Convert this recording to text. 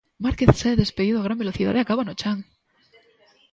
Márquez sae despedido a gran velocidade e acaba no chan.